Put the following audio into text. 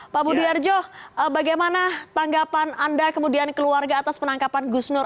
pak budi arjo bagaimana tanggapan anda kemudian keluarga atas penangkapan gus nur